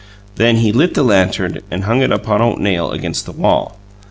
Then he lit the lantern and hung it upon a nail against the wall.